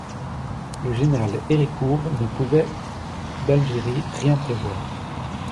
Le général Héricourt ne pouvait, d'Algérie, rien prévoir.